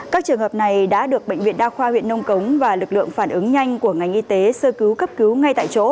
các trường hợp này đã được bệnh viện đa khoa huyện nông cống và lực lượng phản ứng nhanh của ngành y tế sơ cứu cấp cứu ngay tại chỗ